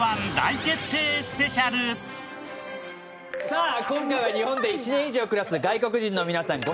さあ今回は日本で１年以上暮らす外国人の皆さん５１４名に。